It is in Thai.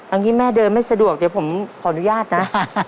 เอางี้แม่เดินไม่สะดวกเดี๋ยวผมขออนุญาตนะ